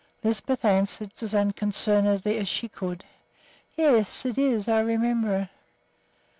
Lisbeth answered as unconcernedly as she could, "Yes, it is; I remember it."